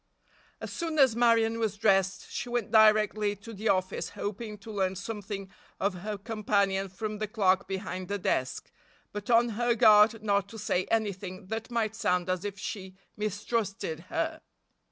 As soon as Marion was dressed she went directly to the office, hoping to learn something of her companion from the clerk behind the desk, but on her guard not to say anything that might sound as if she mistrusted her.